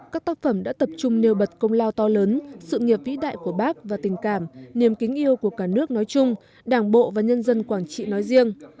các tác phẩm đã tập trung nêu bật công lao to lớn sự nghiệp vĩ đại của bác và tình cảm niềm kính yêu của cả nước nói chung đảng bộ và nhân dân quảng trị nói riêng